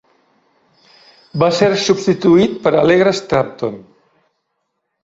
Va ser substituït per Allegra Stratton.